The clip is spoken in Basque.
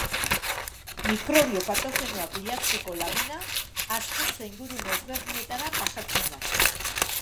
Mikrobio patogenoak bilatzeko lagina hazkuntza-ingurune ezberdinetara pasatzen da.